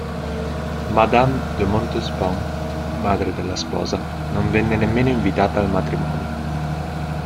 Madame de Montespan, madre della sposa, non venne nemmeno invitata al matrimonio.